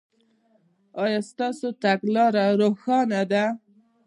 ایا ستاسو تګلاره روښانه ده؟